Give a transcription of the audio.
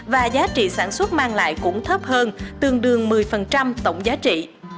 và giá trị sản xuất mang lại cũng thấp hơn tương đương một mươi tổng giá trị